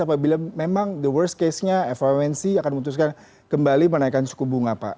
apabila memang the worst case nya fomc akan memutuskan kembali menaikkan suku bunga pak